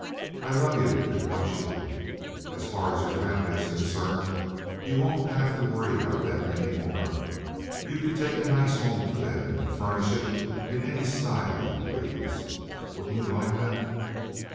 I love you and want you. As far as your family is concerned, you won't have to worry about them any more. You can take a nice home for them and furnish it in any style you please. Wouldn't you like that?"